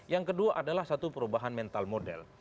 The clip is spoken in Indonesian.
yang kedua adalah satu perubahan mental model